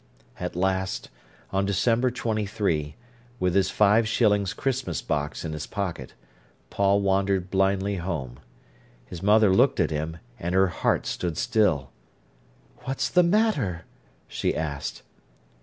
At last, on December 23, with his five shillings Christmas box in his pocket, Paul wandered blindly home. His mother looked at him, and her heart stood still. "What's the matter?" she asked.